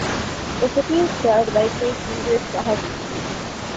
The city is served by Queen Ingrid's Hospital.